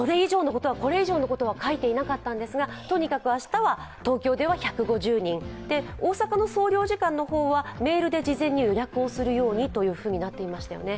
これ以上のことは書いてなかったんですがとにかく明日は東京では１５０人、大阪の総領事館の方はメールで事前に予約をするようにとなっていましたよね。